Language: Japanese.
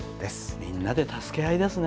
みんなで助け合いですね。